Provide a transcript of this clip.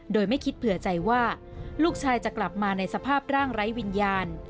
โดยไม่คิดเผื่อใจว่าลูกชายจะกลับมาในสภาพร่างไร้วิญญาณ